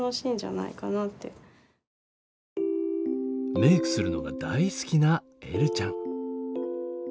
メークするのが大好きなえるちゃん。